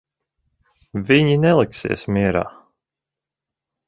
Viņi neliksies mierā.